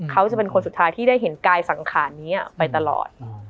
เขาจะเป็นคนสุดท้ายที่ได้เห็นกายสังขารนี้ไปตลอด